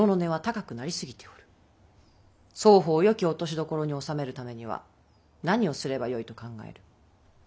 双方よき落としどころにおさめるためには何をすればよいと考える。